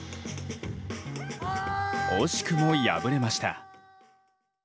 惜しくも敗れました。